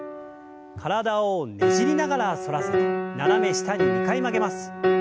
体をねじりながら反らせて斜め下に２回曲げます。